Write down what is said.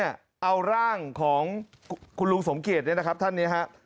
เอาร่างของคุณลุงสมเกียจเนี่ยนะครับท่านนี้ฮะ